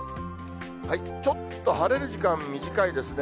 ちょっと晴れる時間短いですね。